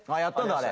あれ。